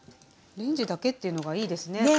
レンジだけっていうのがいいですね